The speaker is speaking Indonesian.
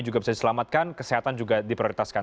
juga bisa diselamatkan kesehatan juga diprioritaskan